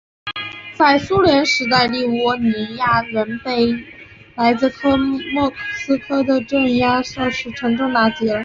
在苏联时代立窝尼亚人被来自莫斯科的镇压措施沉重地打击了。